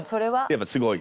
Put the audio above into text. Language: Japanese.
やっぱすごい？